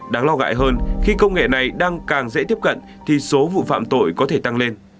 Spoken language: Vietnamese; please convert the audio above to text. đáng lo gại hơn khi công nghệ này đang càng dễ tiếp cận thì số vụ phạm tội có thể tăng lên